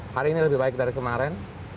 hari ini lebih baik dari kemarin